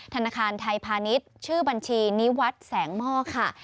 ธนาคารไทยพาณิชย์ชื่อบัญชีนิวัฒน์แสงหม้อค่ะ